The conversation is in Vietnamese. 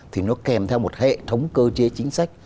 thì nó kèm theo một hệ thống cơ chế chính sách